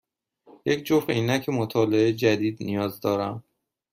یک جفت عینک مطالعه جدید نیاز دارم.